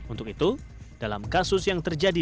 untuk itu dalam kasus yang terjadi